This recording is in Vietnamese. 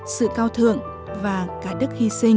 sự cao thượng và cả đức hy sinh